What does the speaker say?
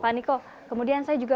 pak niko kemudian saya juga